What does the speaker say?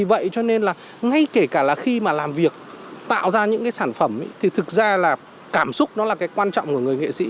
vậy cho nên là ngay kể cả là khi mà làm việc tạo ra những cái sản phẩm thì thực ra là cảm xúc nó là cái quan trọng của người nghệ sĩ